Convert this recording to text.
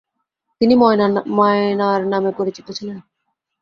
তিনি মায়নার নামে পরিচিত ছিলেন।